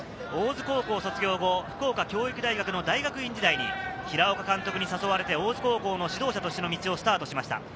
大津高校卒業後、福岡教育大学の大学院時代に平岡監督に誘われて大津高校の指導者としての道をスタートしました。